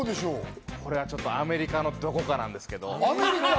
これがちょっとアメリカのどこかなんですけど。